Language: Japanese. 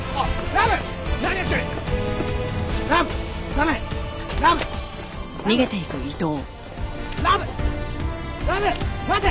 ラブ待て！